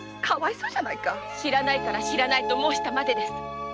知らないから知らないと申したまでです。